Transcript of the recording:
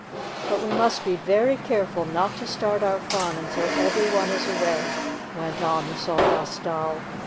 "But we must be very careful not to start our fun until every one is away," went on the Sawdust Doll.